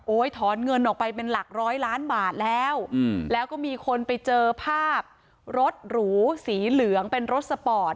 ถอนเงินออกไปเป็นหลักร้อยล้านบาทแล้วแล้วก็มีคนไปเจอภาพรถหรูสีเหลืองเป็นรถสปอร์ต